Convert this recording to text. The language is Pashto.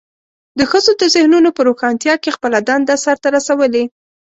د ښځو د ذهنونو په روښانتیا کې خپله دنده سرته رسولې.